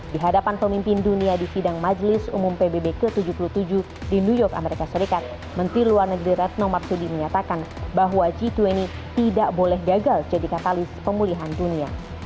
di hadapan pemimpin dunia di sidang majelis umum pbb ke tujuh puluh tujuh di new york amerika serikat menteri luar negeri retno marsudi menyatakan bahwa g dua puluh tidak boleh gagal jadi katalis pemulihan dunia